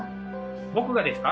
「僕がですか？」。